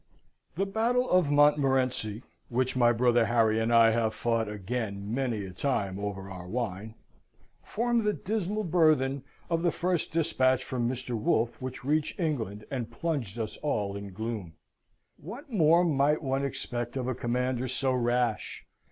The battle of Montmorenci (which my brother Harry and I have fought again many a time over our wine) formed the dismal burthen of the first despatch from Mr. Wolfe which reached England and plunged us all in gloom. What more might one expect of a commander so rash?